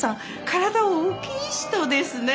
体大きい人ですね。